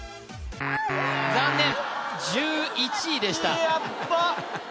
残念１１位でしたヤバッ！